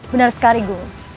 benar sekali gul